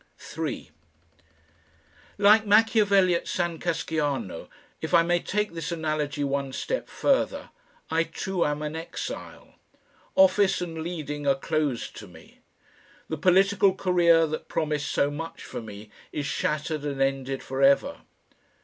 3 Like Machiavelli at San Casciano, if I may take this analogy one step further, I too am an exile. Office and leading are closed to me. The political career that promised so much for me is shattered and ended for ever.